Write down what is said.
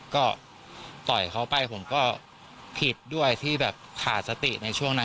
ก็ต่อยเขาไปผมก็ผิดด้วยที่แบบขาดสติในช่วงนั้น